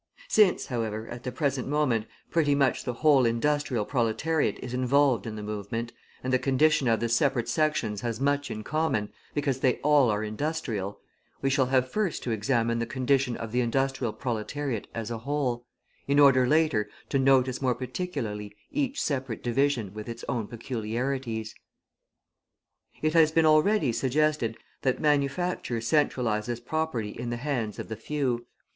Since, however, at the present moment, pretty much the whole industrial proletariat is involved in the movement, and the condition of the separate sections has much in common, because they all are industrial, we shall have first to examine the condition of the industrial proletariat as a whole, in order later to notice more particularly each separate division with its own peculiarities. It has been already suggested that manufacture centralises property in the hands of the few.